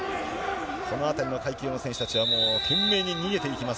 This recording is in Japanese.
このあたりの階級の選手たちは、もう懸命に逃げていきます。